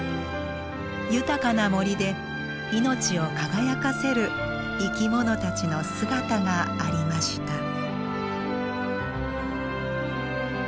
豊かな森で命を輝かせる生きものたちの姿がありました。